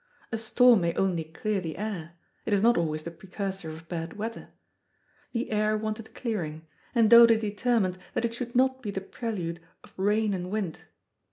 A storm may only clear the air; it is not always the precursor of bad weather. The air wanted clearing, and Dodo determined that it should not be the prelude of rain and wind.